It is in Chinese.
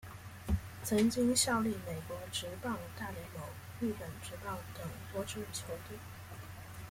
曾经效力美国职棒大联盟日本职棒等多支球队。